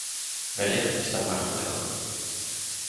Wellicht is dat maar goed ook.